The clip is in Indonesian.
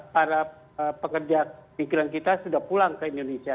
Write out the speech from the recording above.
para pekerja migran kita sudah pulang ke indonesia